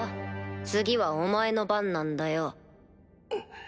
次はお前の番なんだよ。